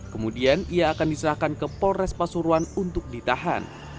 kemudian ia akan diserahkan ke polres pasuruan untuk ditahan